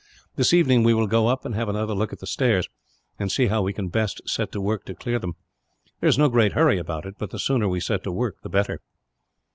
This evening we will go up, and have another look at the stairs; and see how we can best set to work to clear them. There is no great hurry about it, but the sooner we set to work, the better."